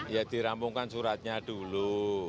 ya dirampungkan suratnya dulu